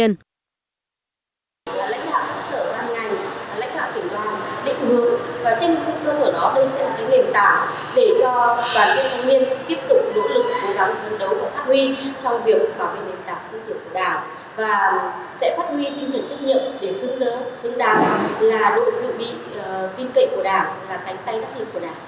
lãnh hạ quốc sở văn ngành lãnh hạ tỉnh đoàn định hướng và trên cơ sở đó đây sẽ là cái nền tảng để cho đoàn viên thanh niên tiếp tục nỗ lực